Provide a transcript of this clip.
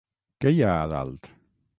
Què hi ha a dalt?